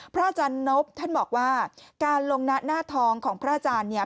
อาจารย์นบท่านบอกว่าการลงหน้าทองของพระอาจารย์เนี่ย